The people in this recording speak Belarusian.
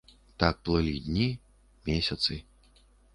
Так плылі дні, месяцы.